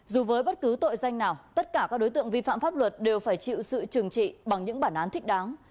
dù với bất cứ tội danh nào tất cả các đối tượng vi phạm pháp luật đều phải chịu sự trừng trị bằng những bản án thích đáng